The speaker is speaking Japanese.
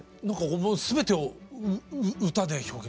もう全てを歌で表現。